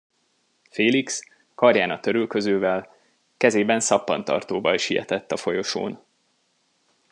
Félix, karján a törülközővel, kezében szappantartóval sietett a folyosón.